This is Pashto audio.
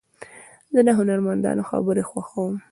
زه د هنرمندانو خبرې خوښوم.